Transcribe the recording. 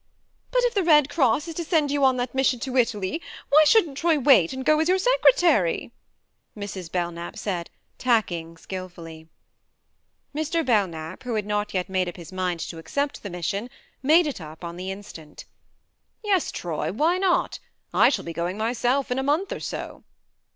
"But if the Red Cross is to send you on that mission to Italy, why shouldn't Troy wait and go as your secretary ?" Mrs. Belknap said, tacking skilfully. Mr. Belknap, who had not yet made up his mind to accept the mission, made it up on the instant. " Yes, THE MARNE 61 Troy why not? I shall be going myself in a month or so."